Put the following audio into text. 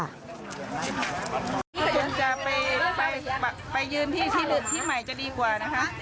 จะไปไปไปไปยืนที่ที่หนึ่งที่ใหม่จะดีกว่านะฮะ